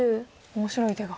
面白い手が。